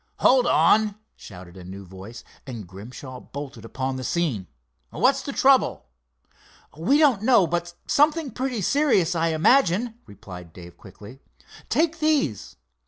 "Hold on!" shouted a new voice, and Grimshaw bolted upon the scene. "What's the trouble?" "We don't know, but something pretty serious, I imagine," replied Dave, quickly. "Take these."